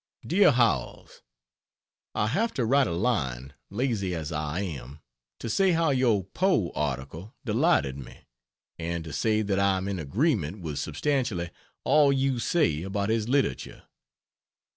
DEAR HOWELLS, I have to write a line, lazy as I am, to say how your Poe article delighted me; and to say that I am in agreement with substantially all you say about his literature.